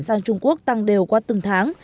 sang trung quốc tăng đều qua từng tháng